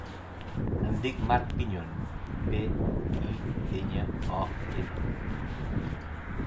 Em dic Mar Piñon: pe, i, enya, o, ena.